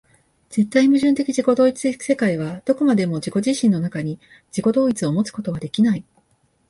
絶対矛盾的自己同一的世界はどこまでも自己自身の中に、自己同一をもつことはできない。